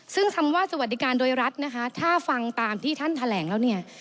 ซึ่งคำว่าสวัสดิการโดยรัฐนะคะถ้าฟังตามที่ท่านแถลงแล้วเนี่ย